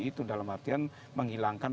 itu dalam artian menghilangkan